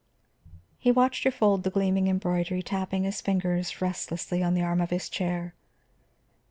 He watched her fold the gleaming embroidery, tapping his fingers restlessly on the arm of his chair.